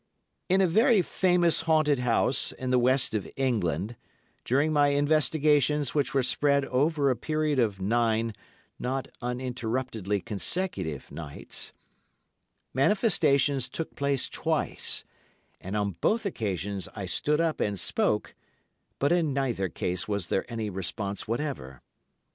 In a very famous haunted house in the West of England, during my investigations which were spread over a period of nine, not uninterruptedly consecutive, nights, manifestations took place twice, and on both occasions I stood up and spoke, but in neither case was there any response whatever.